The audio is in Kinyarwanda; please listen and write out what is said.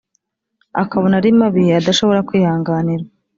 akabona ari mabi adashobora kwihanganirwa.